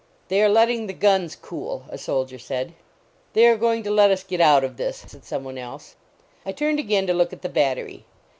"They are letting the guns cool," a soldier said. " They are going to let us get out of this," said some one else. I turned again to look at the battery.